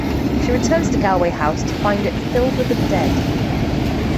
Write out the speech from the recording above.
She returns to Galweigh House to find it filled with the dead.